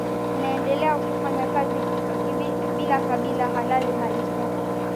inaendelea kufanya kazi bila kibali halali alisema